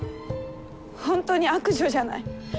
本当に悪女じゃない。